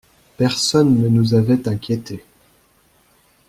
Personne ne nous avait inquiétés.